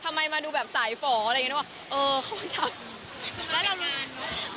ทำไมมาดูแบบใสฝอะไรอย่างนี้นึกว่าเออเขามันทำ